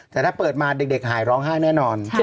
แต่ถ้าเปิดมาเด็กหายร้องไห้แน่นอน